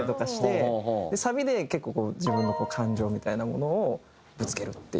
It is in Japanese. サビで結構自分の感情みたいなものをぶつけるっていう。